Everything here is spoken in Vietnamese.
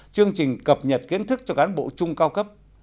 chương trình cập nhật kiến thức cho cán bộ trung cao cấp